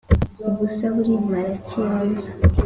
Ubusa burimara Kiyonza